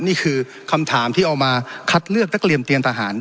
นี่คือคำถามที่เอามาคัดเลือกนักเรียนเตรียมทหาร